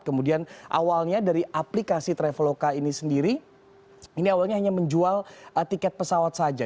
kemudian awalnya dari aplikasi traveloka ini sendiri ini awalnya hanya menjual tiket pesawat saja